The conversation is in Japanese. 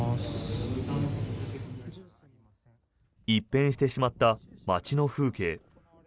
一変してしまった街の風景。